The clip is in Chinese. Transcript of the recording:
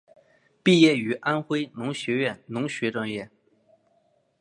毕业于安徽农学院农学专业。